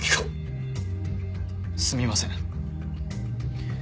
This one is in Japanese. すみません。